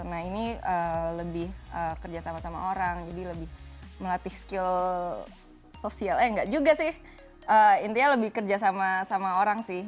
nah ini lebih kerja sama sama orang jadi lebih melatih skill sosial eh enggak juga sih intinya lebih kerja sama orang sih